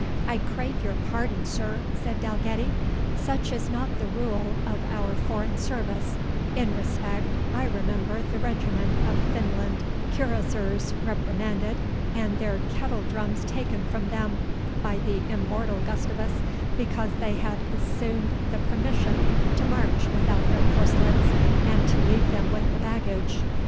"I crave your pardon, sir," said Dalgetty, "such is not the rule of our foreign service in respect I remember the regiment of Finland cuirassiers reprimanded, and their kettle drums taken from them, by the immortal Gustavus, because they had assumed the permission to march without their corslets, and to leave them with the baggage.